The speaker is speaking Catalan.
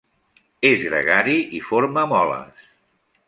És gregari i forma moles.